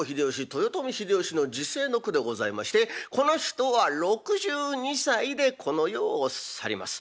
豊臣秀吉の辞世の句でございましてこの人は６２歳でこの世を去ります。